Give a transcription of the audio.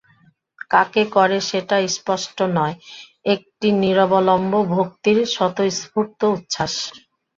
কাকে করে সেটা স্পষ্ট নয়– একটি নিরবলম্ব ভক্তির স্বতঃস্ফূর্ত উচ্ছ্বাস।